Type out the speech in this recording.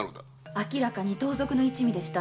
あきらかに盗賊の一味でした。